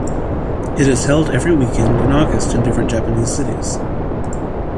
It is held every weekend in August in different Japanese cities.